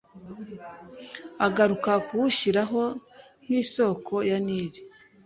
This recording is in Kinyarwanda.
agaruka kuwushyiraho nk'isoko ya Nili